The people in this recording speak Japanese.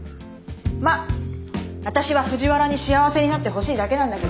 まっ私は藤原に幸せになってほしいだけなんだけどさ。